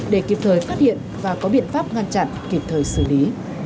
để kịp thời phát hiện và có biện pháp ngăn chặn kịp thời xử lý